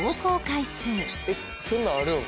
「えっそんなんあるん？」